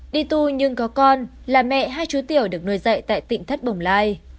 đi tù nhưng có con là mẹ hai chú tiểu được nuôi dạy tại tỉnh thất bồng lai